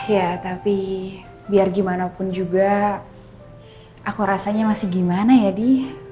ya tapi biar gimana pun juga aku rasanya masih gimana ya di